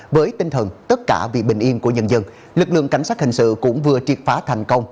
với tinh thần tất cả vì bình yên của nhân dân lực lượng cảnh sát hình sự cũng vừa triệt phá thành công